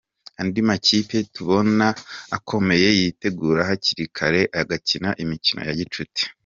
Andi makipe tubona akomeye yitegura hakiri kare, agakina imikino ya gicuti.